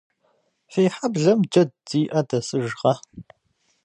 Фи хьэблэм джэд зиӏэ дэсыжкъэ?